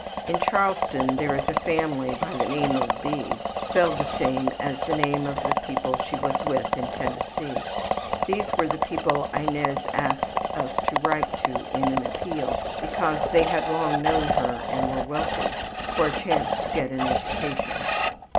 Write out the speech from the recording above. In Charleston there is a family by the name of B. (spelled the same as the name of the people she was with in Tennessee). These were the people Inez asked us to write to in an appeal, because they had long known her and were wealthy, for a chance to get an education.